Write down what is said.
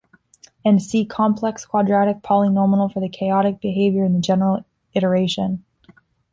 And see Complex quadratic polynomial for the chaotic behavior in the general iteration.